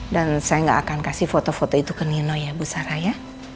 dan saya nggak akan kasih foto foto itu ke nino ya bu sara ya